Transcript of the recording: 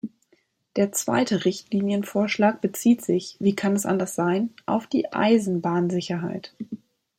Der zweite Richtlinienvorschlag bezieht sich, wie kann es anders sein, auf die Eisenbahnsicherheit.